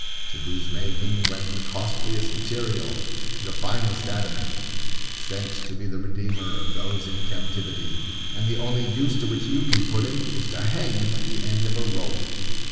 To whose making went the costliest material, the finest adamant; sent to be the redeemer of those in captivity. And the only use to which you can put him is to hang him at the end of a rope!